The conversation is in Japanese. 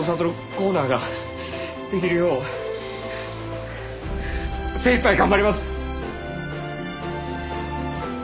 コーナーができるよう精いっぱい頑張ります。